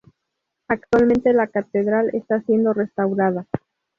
Actualmente la catedral está siendo restaurada.